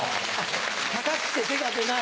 高くて手が出ない。